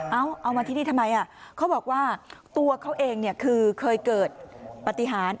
เอามาที่นี่ทำไมเขาบอกว่าตัวเขาเองคือเคยเกิดปฏิหาร